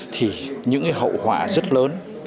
thì những hậu quả rất lớn